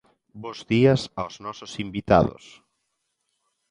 Bos días aos nosos invitados.